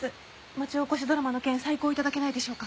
町おこしドラマの件再考頂けないでしょうか？